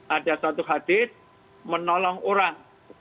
ada satu hadit menolong orang